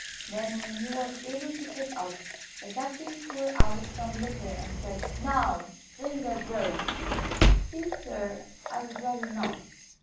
Then, when he was able to sit up, the captain poured out some liquor and said: "Now, drink that grog." "Please, sir, I would rather not.